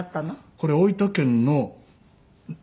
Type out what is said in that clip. これ大分県の。